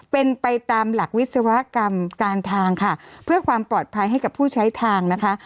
เป็นไปตามหลักวิศวกรรมการทางค่ะเพื่อความปลอดภัยให้กับผู้ใช้ทางนะคะ